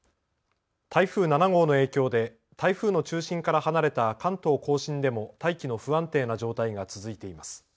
台風７号の影響で台風の中心から離れた関東甲信でも大気の不安定な状態が続いています。